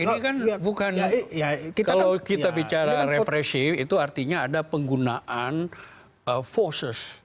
ini kan bukan kalau kita bicara represif itu artinya ada penggunaan forces